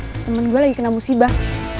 teman gue lagi kena musibah